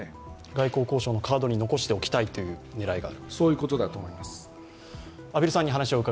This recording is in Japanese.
外交交渉のカードに残しておきたいという狙いが。